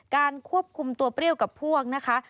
ควบคุมตัวเปรี้ยวกับพวกนะคะ